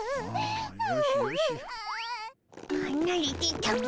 はなれてたも。